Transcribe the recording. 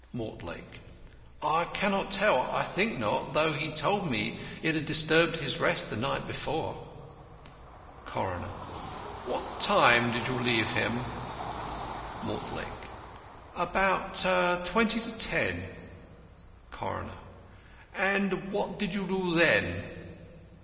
MORTLAKE: I cannot tell. I think not, though he told me it had disturbed his rest the night before. CORONER: What time did you leave him? MORTLAKE: About twenty to ten. CORONER: And what did you do then?